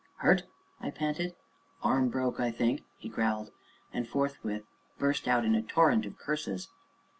"Hurt?" I panted. "Arm broke, I think," he growled, and forthwith burst out into a torrent of curses.